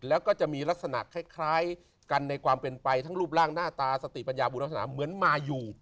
แล้วก็จะมีลักษณะคล้ายกันในความเป็นไปทั้งรูปร่างหน้าตาสติปัญญาบุญลักษณะเหมือนมาอยู่